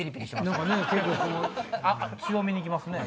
強めに来ますね。